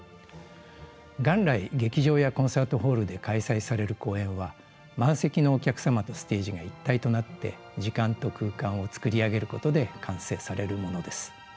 元来劇場やコンサートホールで開催される公演は満席のお客様とステージが一体となって時間と空間を作り上げることで完成されるものです。